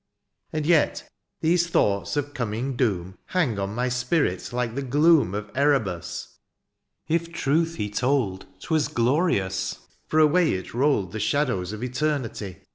'^ And yet, these thoughts of coming doom, '^ Hang on my spirit like the gloom '' Of Erebus : if truth he told ^^ 'Twas glorious, for away it rolled ^' The shadows of eternity.